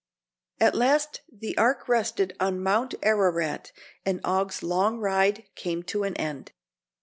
At last the Ark rested on Mount Ararat, and Og's long ride came to an end.